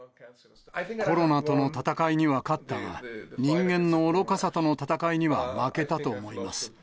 コロナとの闘いには勝ったが、人間の愚かさとの闘いには負けたと思います。